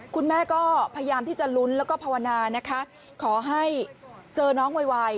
คุณแม่ก็พยายามที่จะลุ้นแล้วก็ภาวนานะคะขอให้เจอน้องไว